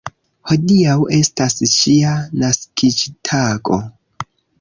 Hodiaŭ estas ŝia naskiĝtago.